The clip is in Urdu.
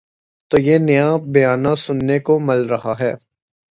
تو یہ نیا بیانیہ سننے کو مل رہا ہے۔